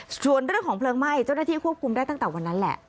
ส่วนเรื่องของเพลิงไหม้เจ้าหน้าที่ควบคุมได้ตั้งแต่วันนั้นแหละ